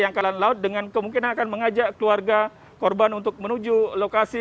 angkalan laut dengan kemungkinan akan mengajak keluarga korban untuk menuju lokasi